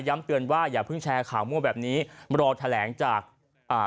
เตือนว่าอย่าเพิ่งแชร์ข่าวมั่วแบบนี้รอแถลงจากอ่า